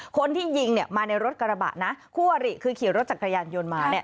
คนที่ยิงมาในรถกระบะคู่อริคือขี่รถจักรยานยนต์มา